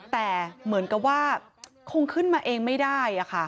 แต่เหมือนกับว่าคงขึ้นมาเองไม่ได้